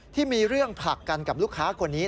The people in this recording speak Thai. ที่มีเรื่องผลักกันกับลูกค้าคนนี้